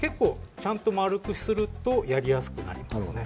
ちゃんと丸くするとやりやすくなりますね。